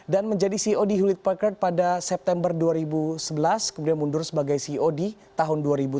dan menjadi ceo di hewlett packard pada september dua ribu sebelas kemudian mundur sebagai ceo di tahun dua ribu tujuh belas